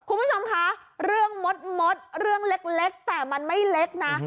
คุณผู้ชมคะเรื่องมดเรื่องเล็กแต่มันไม่เล็กนะ